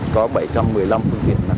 có bảy trăm một mươi năm phương tiện